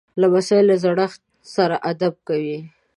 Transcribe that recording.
لمسی له زړښت سره ادب کوي.